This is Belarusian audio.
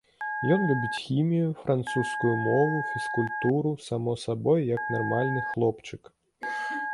Ён любіць хімію, французскую мову, фізкультуру, само сабой, як нармальны хлопчык.